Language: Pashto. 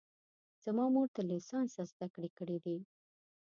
زما مور تر لیسانسه زده کړې کړي دي